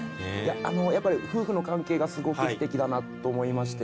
あのやっぱり夫婦の関係がすごくステキだなと思いまして。